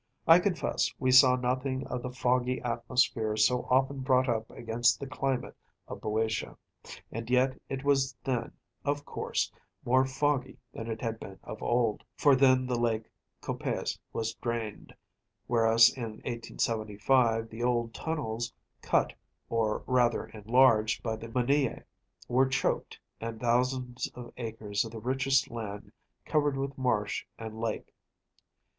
I confess we saw nothing of the foggy atmosphere so often brought up against the climate of BŇďotia. And yet it was then, of course, more foggy than it had been of old, for then the lake Copais was drained, whereas in 1875 the old tunnels, cut, or rather enlarged, by the Minyæ, were choked, and thousands of acres of the richest land covered with marsh and lake.